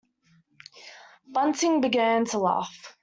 Bunting began to laugh.